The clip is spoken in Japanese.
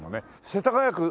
世田谷区